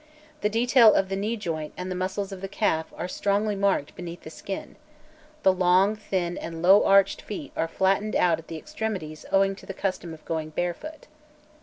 The detail of the knee joint and the muscles of the calf are strongly marked beneath the skin; the long, thin, and low arched feet are flattened out at the extremities owing to the custom of going barefoot.